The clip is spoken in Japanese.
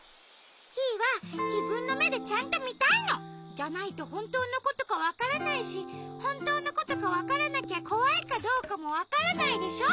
キイはじぶんのめでちゃんとみたいの！じゃないとほんとうのことかわからないしほんとうのことかわからなきゃこわいかどうかもわからないでしょ。